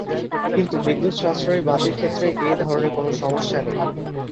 কিন্তু বিদ্যুৎ সাশ্রয়ী বাতির ক্ষেত্রে এ ধরনের কোনো সমস্যা নেই।